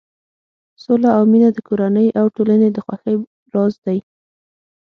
سوله او مینه د کورنۍ او ټولنې د خوښۍ راز دی.